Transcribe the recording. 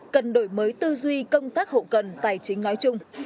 cần đổi mới tư duy công tác hậu cần tài chính nói chung